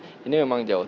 tapi ini memang jauh